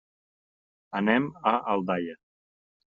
Anem a Aldaia.